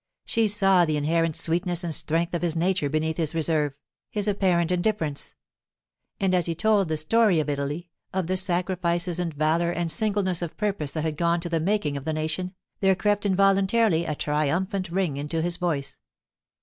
She saw the inherent sweetness and strength of his nature beneath his reserve, his apparent indifference. And as he told the story of Italy, of the sacrifices and valour and singleness of purpose that had gone to the making of the nation, there crept involuntarily a triumphant ring into his voice.